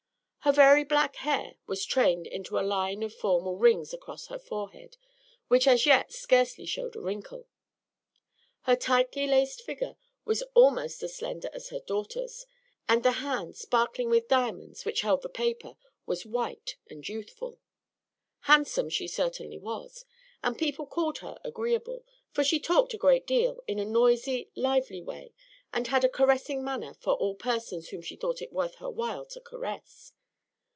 Her very black hair was trained into a line of formal rings across her forehead, which as yet scarcely showed a wrinkle. Her tightly laced figure was almost as slender as her daughter's; and the hand sparkling with diamonds, which held the paper, was white and youthful. Handsome she certainly was; and people called her agreeable, for she talked a great deal, in a noisy, lively way, and had a caressing manner for all persons whom she thought it worth her while to caress.